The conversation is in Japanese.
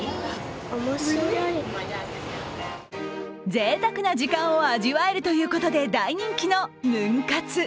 ぜいたくな時間を味わえるということで大人気のヌン活。